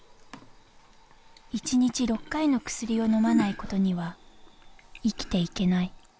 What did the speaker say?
１日６回の薬をのまないことには生きていけない。